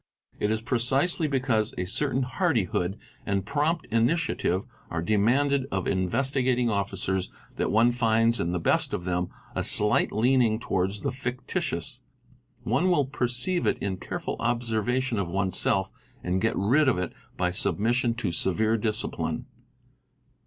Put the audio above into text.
It is precisely because a certain hardihood and prompt initiative are demanded of Investigating Officers that one finds in the best of them a slight leaning towards the fictitious: one will perceive it in careful observation of oneself and get rid of it by submission to severe discipline.